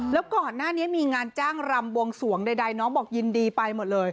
แล้วก่อนหน้านี้มีงานจ้างรำบวงสวงใดน้องบอกยินดีไปหมดเลย